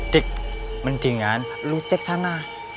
dik mendingan lu cek sana